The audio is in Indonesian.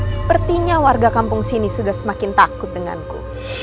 sepertinya warga kampung sini sudah semakin takut denganku